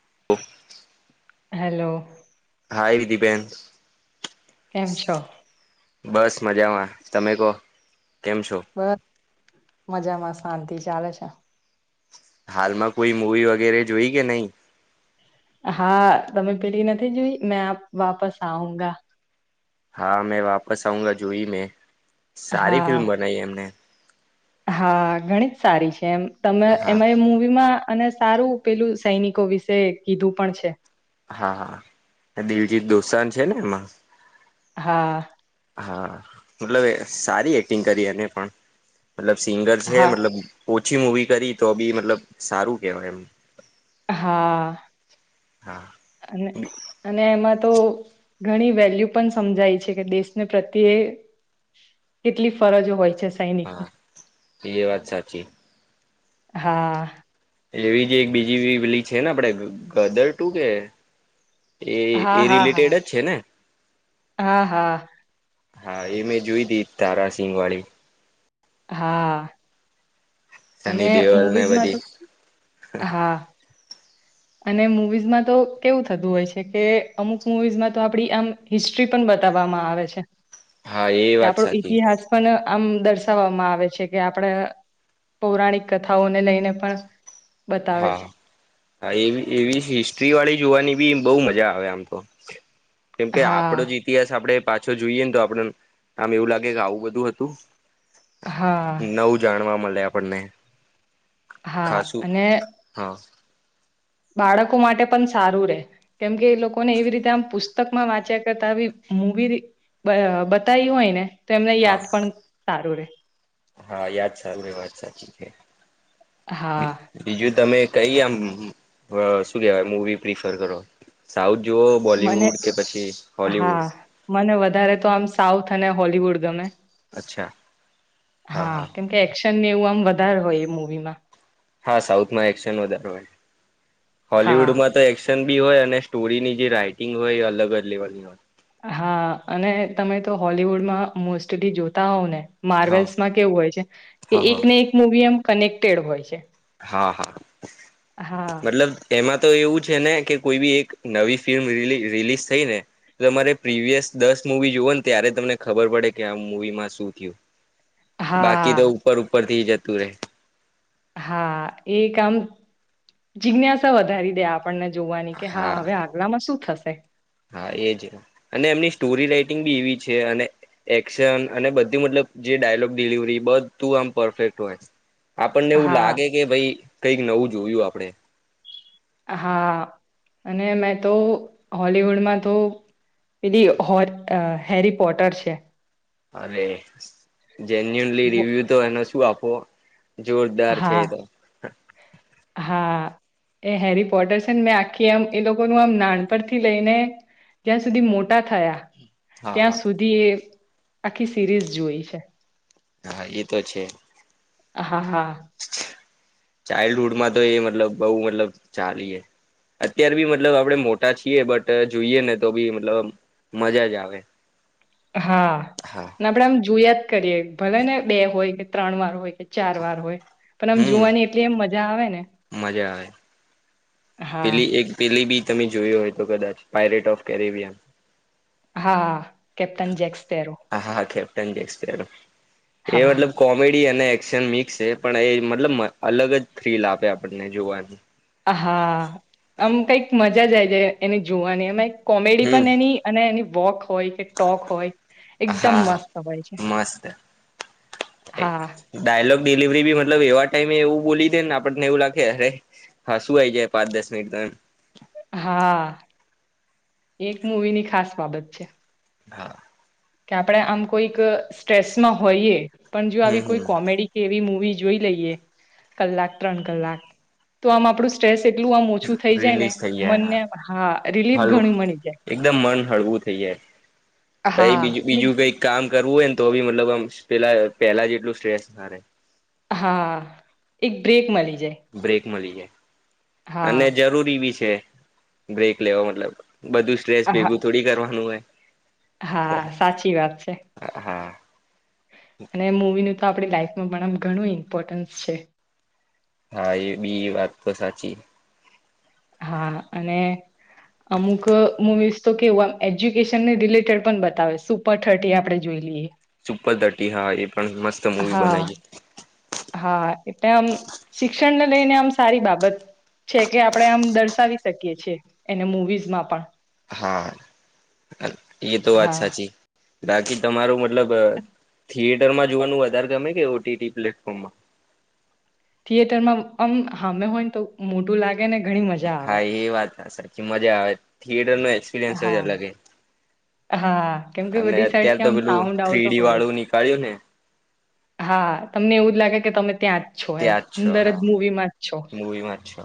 [unintelligible] Hello. Hi વિધીબેન. કેમ છો બસ મજામાં તમે કહો કેમ છો. બસ મજામાં શાંતિ ચાલે છે. હાલમાં કોઈ મુવી વગેરે જોઈ કે નય હા તમે પેલી નથી જોઈ મેં વાપસ આઉંગા હા મેં વાપસ આઉગા જોઈ મેં સારી હા ફિલ્મ બનાવી એમને હા ઘણી જ સારી છે, એમ તમે હા એમાં એ મુવીમાં અને સારું પેલું સૈનિકો વિશે કીધું પણ છે. હા દિલજીત દોસાન છે ને એમાં હા હા મતલબ સારી એક્ટિંગ કરી એને પણ મતલબ સિંગર છે, હા મતલબ. ઓછી મૂવી કરી તો બી મતલબ સારું કેહેવાય એમ હા હા અને અને એમાં તો ઘણી વેલ્યુ પણ સમજાય છે કે દેશને પ્રત્યે કેટલી ફરજો હોય છે. સૈનિકની હા એ વાત સાચી. હા એવી જે એક બીજી બી પેલી છે, ને આપણે ગદર ટુ કે એ એ હા હા હા રિલેટેડ જ છે, ને હા હા હા એ મેં જોય તી તારાસિંગ વાળી હા સની અને દેઓલ ને મુવીઝમાં બધી તો હા અને મુવીઝમાં તો કેવું થતું હોય છે કે અમુક મુવીઝમાં તો આપડી આમ હિસ્ટ્રી પણ બતાવામાં આવે છે હા એ કે વાત આપણો સાચી ઈતિહાસ પણ આમ દર્શાવવામાં આવે છે કે આપણે પૌરાણિક કથાઓને લઈને પણ બતાવે હા છે. હા એવી એવી હિસ્ટ્રી વાળી જોવાની બી બહુ મજા આવે આમ તો કેમ કે હા આપડો જ ઈતિહાસ આપડે પાછો જોઈએ ને તો આપડ આમ એવું લાગે કે આવું બધું હતું હા નવું જાણવા મલે આપણને. હા ખાસું અને હા. બાળકો માટે પન સારું રે કેમકે એ લોકોને એવી રીતે આમ પુસ્તક માં વાંચ્યા કરતા આવી મુવી બ બતાય હોય ને તો એમને હા યાદ પણ સારું રે હા યાદ સારું રે વાત સાચી છે હા બીજું તમે કઈ આમ અ શું કેવાય મુવી પ્રિફર કરો સાઉથ જુઓ મને બોલીવુડ કે પછી હા હોલીવુડ મને વધારે તો આમ સાઉથ અને હોલીવુડ ગમે અચ્છા હા કેમ કે એક્શન ને એવું આમ વધારે હોય એ મુવીમાં. હા સાઉથમાં એક્શન વધાર હોય હા હોલવુડમાં તો એક્શન બી હોય અને સ્ટોરીની જે રાઈટિંગ હોય એ અલગ જ લેવલની હોય હા અને તમે તો હોલીવુડમાં મોસ્ટલી જોતા હોવ ને હા માર્વેલ્સમાં કેવું હોય છે કે હા એક હા. ને એક મુવી એમ કનેક્ટેડ હોય છે. હા હા હા મતલબ એમાં તો એવું છે ને કે કોઈ બી એક નવી ફિલ્મ રિલી રિલીઝ થઈ ને તમારે પ્રીવિયસ દસ મુવી જોઓ ને ત્યારે તમને ખબર પડે કે આ મુવી માં શું થયું બાકી તો હા ઉપર ઉપર થી જતું રે હા એ કામ આામ જિજ્ઞાસા વધારી દે આપ આપણને જોવાની કે હા હવે આગલામાં શું થશે હા એજ અને એમની સ્ટોરી રાઈટિંગ બી એવી છે અને એક્શન અને બધું મતલબ જે ડાયલોગ ડિલિવરી બધું આમ પરફેક્ટ હોય આપણને એવું હા લાગે કે ભાઈ કઈક નવું જોયું આપડે હા, અને મેં તો હોલીવુડમાં તો પેલી હો હેરી પોટર છે. અરે જેન્યુનલી વ રિવ્યુ તો એનો શું આપો જોરદાર છે હા એ તો. હા એ હેરી પોટર્સન મેં આખી એમ એ લોકોનું આમ નાનપથી લઈને જ્યાં સુધી મોટા થયા હા ત્યાં હા સુધી એ આખી સિરીઝ જોઈ છે. હા એ તો છે. હા હા ચાઇલ્ડહુડમાં તો એ મતલબ બઉ મતલબ ચાલી અત્યાર બી મતલબ આપડે મોટા છીએ, બટ જોઈએ ને તો બી મતલબ મજા જ આવે. હા. હા આપડે આમ જોયા જ કરીએ, ભલેને બે હોય કે ત્રણ વાર હોય કે, ચાર વાર હોય. પણ આમ હમ જોવાની એટલી એમ મજા આવે ને. મજા આવે હા પેલી એક પેલી બી તમે જોયો હોય તો કદાચ પાયરેટ ઓફ કેરેવિયન હા કેપ્ટન જેક્સપેરો હા હા કેપ્ટન જેક્સપિયર એ હા મતલબ કોમેડ ડી અને એશન મિક્સ છે. પણ એ મતલબ અલગ જ થ્રીલ આપે આપને જોવાનું હા આમ કઈક મજા જ આઇ જઈ, એને જોવાની અમાં કોમેડી હમ પણ એની અને એની વોક હોય કે ટોક હોય, એકદમ મસ્ત હોય છે. હા ડાયલો ડિલિવરી બી મતલબ એવા ટાઈમે એવું બોલી દે ને, આપણને એવું લાગે અરે હા શું આવી જાય પાંચ દસ મિનિટ દન હા એક મુવી ની ખાસ બાબત છે. હા. કે આપણે આમ કોઈક સ્ટ્રેસમાં હોઈએ, પણ જો હમ આવી કોઈ હમ કોમેડી કે એવી મુવી જોઈ લઈએ. કલાક ત્રણ કલાક તો આમ આપડું સ્ટ્રેસ એટલું આમ ઓછું થઈ જાય ને, રિલીઝ થઈ જાય મનનેમ હા, રિલીફ હલવું ઘણી મળી જાય. એકદમ મન હળવું થઈ જાય. પછી હા. બીજું અને બીજું કઈક કામ કરવું હોય ને તો બી મતલબમ પેલા પેલા જ એટલું સ્ટ્રેસ નારે હા, એક બ્રેક મળી જાય બ્રેક મળી જાય. હા અને જરૂરી બી છે. બ્રેક લેવા મતલબ બધું સ્ટ્રેસ હા ભેગું થોડી કરવાનું હોય. હા સાચી વાત છે. હા અને મૂવીનું તો આપણી લાઈફમાં પણ આ ઘણું ઇમ્પોર્ટન્સ છે. હા એ બી વાત તો સાચી હા અને અમુક મુવીઝ તો કેવું, આમ એજ્યુકેશનને રિલેટેડ પણ બતાવે સુપર થર્ટી આપણે જોઈ લઈએ પર ધટી હા એ પણ મસ્ત મુવી હા બનાવી હા એટલે આમ શિક્ષણને લઈને આમ સારી બાબ બત છે, કે આપણે આમ દર્શાવી શકીએ છીએ એને મવીઝમાં પણ હા એ તો વાત હા સાચી. બાકી તમારું મતલબ થિયેટરમાં જોવાનું વધારે ગમે? કે ઓટીટી પ્લેટફોર્મમાં? થિયેટરમાં અ આમ હામે હોય ને તો મોટું લાગે ને ઘણી મજા આવે. હા એ વાર્તા સાચી. મજા આવે થિયેટર નો એક્સપિરિયન્સ જ હા અલગ હા કેમ કે અને બધી અત્ય્યારે સાઈડથી તો આમ પેલું સાઉન્ડ આવતો થ્રીડી હોય. વાળું નીકળ્યું ને હા તમને એવું જ લાગે કે તમે ત્યાં જ છો એમ ત્યાં છો અંદર જ હા મુવી માં જ છો. મૂવીમાં જ છો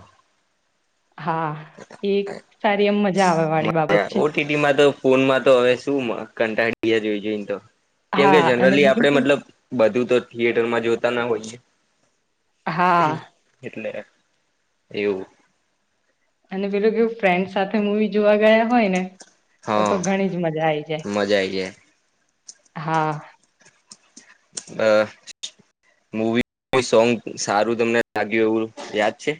હા એ સારી એમ મજા આવે વાળી બાબત છે. ઓટીટીમાં તો ફોનમાં તો હવે શું કંટાળડીયા જોઈ જોઈને તો કેમકે હા અને જનરલી બીજું આપડે કેવું મતલબ બધું તો થિયેટરમાં જોતા ના હોઈએ. હા એટલે એવું અને પેલુ કેવું ફ્રેન્ડ સાથે મુવી જોવા ગયા હોય ને તો હા તો ઘણી જ મજા આઈ જાય. મજા આઈ હા. હ. મૂવી સોંગ સારું તમને લાગ્યું એવું યાદ છે.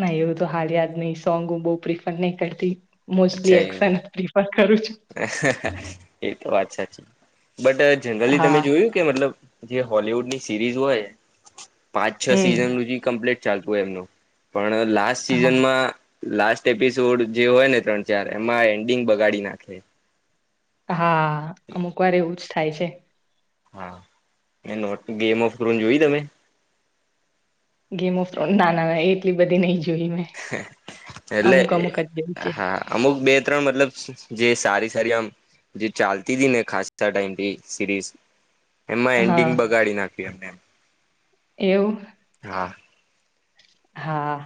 ના એવું તો હાલ યાદ નહી સોંગું બહ પ્રિફર નહી કરતી અચ્છા મોસ્ટલી એવું એશન પ્રફર એ તો વાત સાચી બટ જનરલી તમે હા જોયું કે મતલબ જે હોલવુડની સિરીઝ હોય પાંચ છ હમ સિઝન કમ્પ્લીટ ચાલતું હોય એમનું પણ લાસ્ટ હા સિઝનમાં લાસ્ટ એપિસોડ જે હોય ને ત્રણ ચાર એમાં એન્ડિંગ બગાડી નાખે. હા અમુક વાર એવું જ થાય છે. હા મે નોટ ગેમ ઓફ કર જોય તમે? ગેમ ઓફ ના ના એટલી બધી નહી. જોઈ મેં એટલે અમુક અમુક જ જોઈ છે. હા અમુક બે ત્રણ મતલબ જે સારી આમ જે ચાલતી હતી ને ખાસ ટાઈમથી સિરીઝ એમાં એન્ડિંગ હા બગાડી નાખ્યું એમને એ એવું હા હા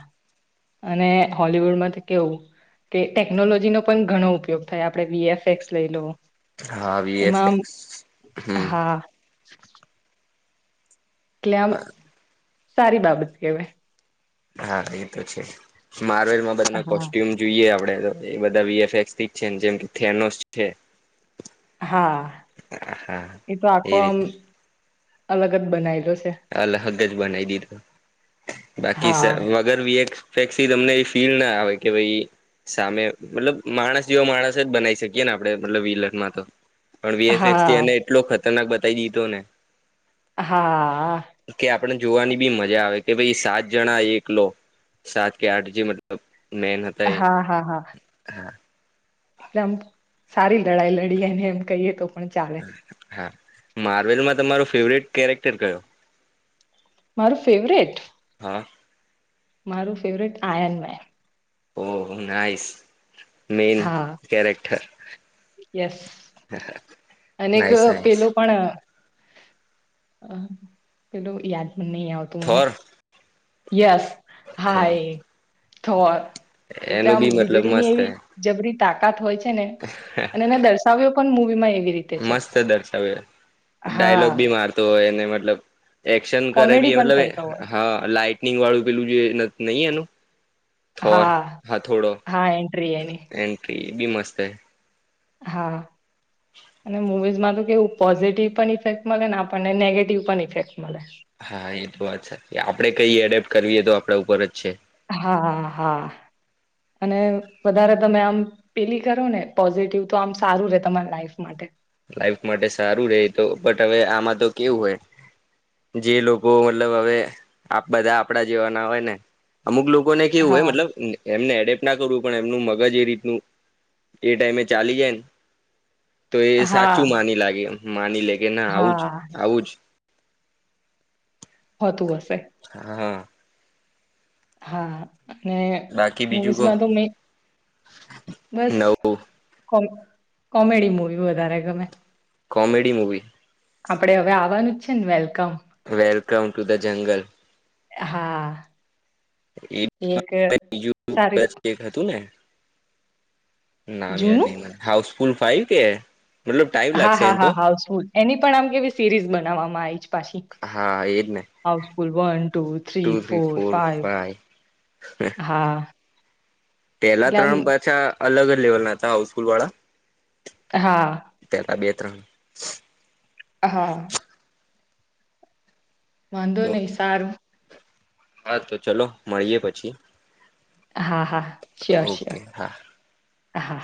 અને હોલવુડમાંથી કેવું કે ટેકનોલોજીનો પણ ઘણો ઉપયોગ થાય આપડણે વીએફએક્સ લઈ લો હા વી એફ એક્સ હમ સ એટલે આમ સારી બાબત કેવાય. હા એ તો છે મારર્લ અમાં બધા હા કોસ્ટ્યુમ જોઈએ આપડે એ બધા વી એફ એક્સ થી છે જેમ કે થેનોસ છે. હા હા એ તો આખો આમ અલગ જ બનાવી દ અલગ જ બનાવી દીધો બાકી સ હા વગર વી એક ફેક્સ તમને એ ફીલ ના આવે કે ભઈ સામે મતલબ માણસ જેવો માણસ જ બનાવી શકીએ ને આપડે મતલબ વિલખ માં તો પણ વીએફએક્સ થી હા એને એટલો ખતરનાક બતાવી દીધો ને હા આપને જોવાની બી મજા આવે કે ભાઈ સાત જણા એકલો સાત કે આઠ જે મતલબ મેન હતા એ એટલેઅમ સારી લડાઈ લડી એને એમ કહીએ તો પણ ચાલે હા માર્વેલમાં તમારો ફેવરેટ કેરેક્ટર કયો મારું ફેવરેટ હ મારું ફેવરેટ આયન્વય ઓહ હ નાઈસ મેન હા કેરેક્ટર યસ અનેક નાઈસ નાઈસ પેલો પણ અહ પેલું યાદ પણ નહી આવતું મને થોર યસ હા એ થવા એટલે એનું આમ બી મતલબ વીજળી ની મસ્ત એવી હે. જબરી તાકાત હોય છે ને અને એને દર્શાવ્યો પણ મુવી માં મસ્ત દર્શાવે, હા ડાયલોગ બી મારતો હોય અને મતલબ એક્શન કરે કોમેડી બી પણ મતલબ કરતા હોય હ‌ લાાઈટનિંગ વાળું પેલું જે નહી એનું થોર હા થોડો હા એન્ટ્રી એની એન્ટ્રી બી મસ્ત હે હા અને મુવીઝમાં તો કેવુ પોઝિટિવ પણ ઇફેક મલેને આપણ ને નેેગેટીવ પણ ઇફેક્ટ મળે હા એ તો વાત સાચી આપડે કઈ એડેપ્ટ કરવીએ તો આપડા ઉપર જ છે. હા હા અને વધારે તમે આમ પેલી કરો ને પોઝિટિવ તો આમ સારું રે તમારી લાઈફ માટે લાઈફ માટે સારું રેય તો બટ હવે આમાં તો કેવું હોય જે લોકો મતલબ હવે આપ બધા‌ આપડા જેવાના હોય ને અમુક લોકોને કેવું હોય હા મતલબ એમને એડેપટ ના કરું પણ એમનું મગજ એ રીતનું એ ટાઈમે ચાલી જાય ને તો એ હા સાચું માની લાગે માની લે કે ના આવું જ હા આવું જ હોતું હશે હા હા અને બાકી બીજું કો મુવીઝમાં તો મે બસ નવું કો કોમેડી મુવી વધારે ગમે કોમેડી મુવી આપડે હવે આવવાનું જ છે ને welcome welcome to the jungle હા એ [unintelligible] બીજુ સારી એક હતું ને નામ જૂનું યાદ [unintelligible] હાઉસફુલ ફાઈવ કે મતલબ ટાઈમ હા લાગશે હા એમ તો હા હાઉલ એની પણ આમ કેવી સિરીઝ બનાવવામાં આવી છે. પાછી હા એજ ને Housefull one two three four five હા. પહેલા એટલે આમ ત્રણ પાછા અલગ જ લેવલ ના હતા હાઉસફુલ વાળા હા [unintelligible] હા. વાંધો તો નહી સારું હા તો ચલો મળીયે પછી. હા હા શ્યોર ઓકે શ્યોર હા હા.